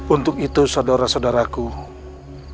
untuk itu saudara saudaraku